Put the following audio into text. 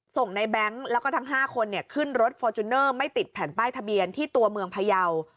ส่งในแบงค์แล้วก็ทั้ง๕คนขึ้นรถฟอร์จูเนอร์ไม่ติดแผ่นป้ายทะเบียนที่ตัวเมืองพยาว